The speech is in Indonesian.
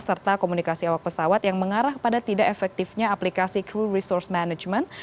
serta komunikasi awak pesawat yang mengarah kepada tidak efektifnya aplikasi crew resource management